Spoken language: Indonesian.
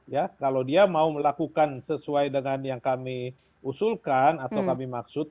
ya kalau dia mau melakukan sesuai dengan yang kami usulkan atau kami maksud